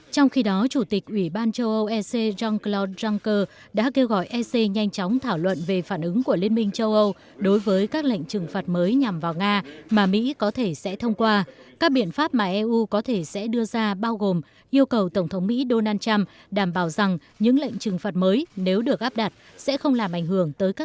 trong khi đó chủ tịch ủy ban châu âu e c jean claude juncker đã kêu gọi e c nhanh chóng thảo luận về phản ứng của liên minh châu âu đối với các lệnh trừng phạt mới nhằm vào nga mà mỹ có thể sẽ thông qua các biện pháp mà eu có thể sẽ đưa ra bao gồm yêu cầu tổng thống mỹ donald trump đảm bảo rằng những lệnh trừng phạt mới nếu được áp đặt sẽ không làm ảnh hưởng tới tổng thống